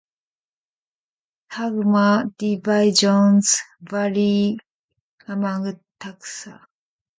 Tagma divisions vary among taxa.